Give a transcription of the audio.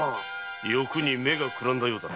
欲に目が眩んだようだな。